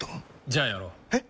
じゃあやろう。え？